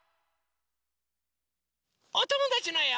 おともだちのえを。